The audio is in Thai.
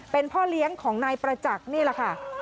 เป็นพ่อเลี้ยงของนายประจักษ์นี่แหละค่ะ